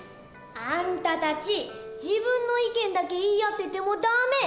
あんたたち自分の意見だけ言い合っててもダメ。